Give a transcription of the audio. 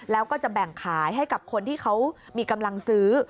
แล้วก็จะแบ่งขายให้กับคนที่เขามีกำลังซื้อ